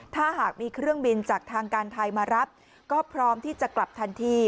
ถ้าหากมีเครื่องบินจากทางการไทยมารับก็พร้อมที่จะกลับทันที